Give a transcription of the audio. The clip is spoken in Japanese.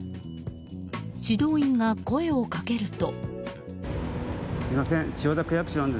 指導員が声をかけると。